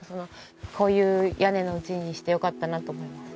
こういう屋根の家にしてよかったなと思います。